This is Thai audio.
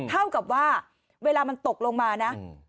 เท่ากับว่าเวลามันตกลงมานะ